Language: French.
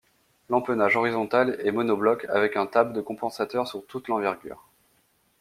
L'empennage horizontal est monobloc avec un tab de compensateur sur toute l'envergure.